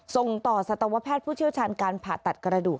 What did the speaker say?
ส่งต่อสัตวแพทย์ผู้เชี่ยวชาญการผ่าตัดกระดูก